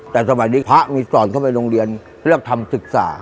แต่สมัยนี้พระมีก่อนเข้าไปโรงเรียนเลือกทำศึกษา